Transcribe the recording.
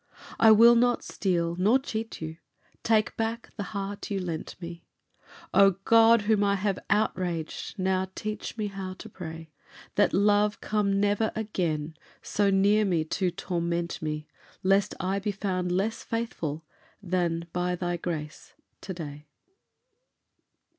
I will not steal, nor cheat you; take back the heart you lent me. O God, whom I have outraged, now teach me how to pray, That love come never again so near me to torment me, Lest I be found less faithful than, by Thy grace, to day.